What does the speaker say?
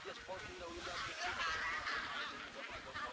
jalan kung jalan se di sini ada pesta besar besaran